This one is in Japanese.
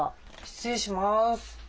失礼します。